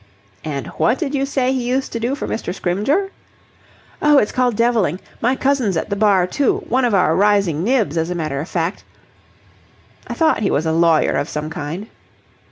"And what did you say he used to do for Mr. Scrymgeour?" "Oh, it's called devilling. My cousin's at the Bar, too one of our rising nibs, as a matter of fact..." "I thought he was a lawyer of some kind."